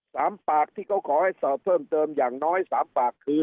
สามปากที่เขาขอให้สอบเพิ่มเติมอย่างน้อยสามปากคือ